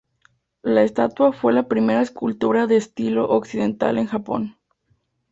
La estatua fue la primera escultura de estilo occidental en Japón.